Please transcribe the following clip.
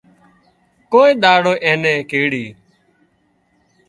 ڪوئي ۮاڙو نين ڪيڙي